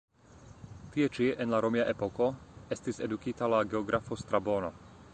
Tie ĉi en la romia epoko estis edukita la geografo Strabono.